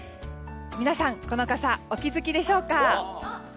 皆さん、この傘お気づきでしょうか？